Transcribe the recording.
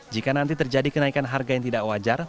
jika nanti terjadi kenaikan harga yang tidak wajar